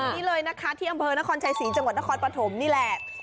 นี่เลยนะคะที่อำเภอนครชัยศรีจังหวัดนครปฐมนี่แหละ